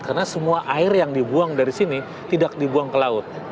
karena semua air yang dibuang dari sini tidak dibuang ke laut